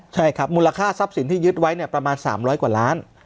ใช่ครับมูลค่าทรัพย์สินที่ยึดไว้เนี่ยประมาณ๓๐๐กว่าล้าน